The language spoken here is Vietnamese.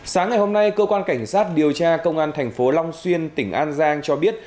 sáng ngày hôm nay cơ quan cảnh sát điều tra công an thành phố long xuyên tỉnh an giang cho biết